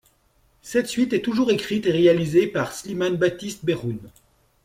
Cette suite est toujours écrite et réalisée par Slimane-Baptiste Berhoun.